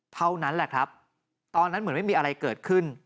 เท่านั้นแหละครับตอนนั้นเหมือนไม่มีอะไรเกิดขึ้น